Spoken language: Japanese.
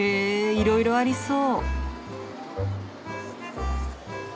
いろいろありそう。